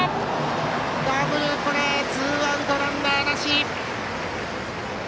ダブルプレー、ツーアウトランナーなし。